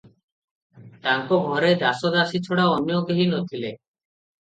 ତାଙ୍କ ଘରେ ଦାସ ଦାସୀ ଛଡ଼ା ଅନ୍ୟ କେହି ନ ଥିଲେ ।